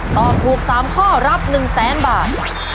ตอบถูก๓ข้อรับ๑๐๐๐๐๐บาท